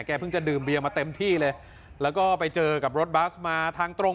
เพิ่งจะดื่มเบียมาเต็มที่เลยแล้วก็ไปเจอกับรถบัสมาทางตรง